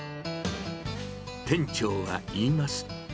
店長は言います。